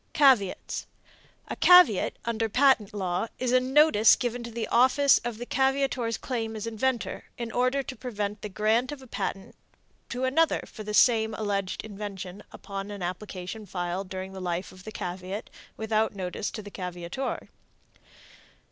CAVEATS. A caveat, under the patent law, is a notice given to the office of the caveator's claim as inventor, in order to prevent the grant of a patent to another for the same alleged invention upon an application filed during the life of the caveat without notice to the caveator.